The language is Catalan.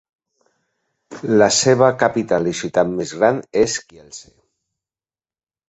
La seva capital i ciutat més gran és Kielce.